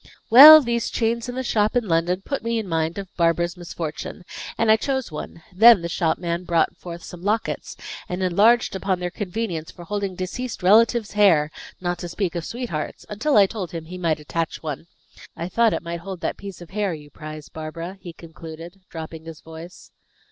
"Well, these chains in the shop in London put me in mind of Barbara's misfortune, and I chose one. Then the shopman brought forth some lockets, and enlarged upon their convenience for holding deceased relatives' hair, not to speak of sweethearts', until I told him he might attach one. I thought it might hold that piece of hair you prize, Barbara," he concluded, dropping his voice.